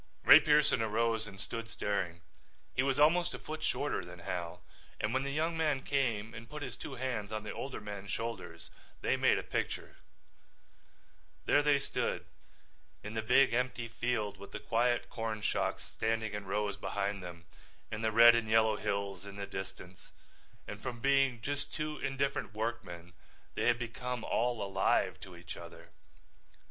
Ray Pearson arose and stood staring. He was almost a foot shorter than Hal, and when the younger man came and put his two hands on the older man's shoulders they made a picture. There they stood in the big empty field with the quiet corn shocks standing in rows behind them and the red and yellow hills in the distance, and from being just two indifferent workmen they had become all alive to each other.